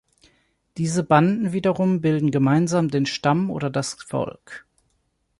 Diese Banden wiederum bilden gemeinsam den Stamm oder das Volk.